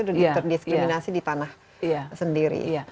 atau tidak terdiskriminasi di tanah sendiri